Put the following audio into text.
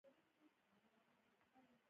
تعلیم نجونو ته د ورزش اهمیت ور زده کوي.